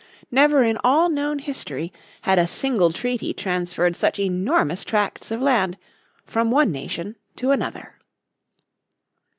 Never in all known history had a single treaty transferred such enormous tracts of land from one nation to another.